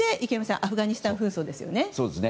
アフガニスタン紛争ですね。